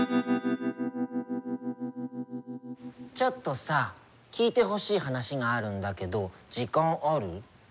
ちょっとさ聞いてほしい話があるんだけど時間ある？